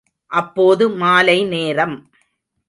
அப்போது மாலை நேரம்.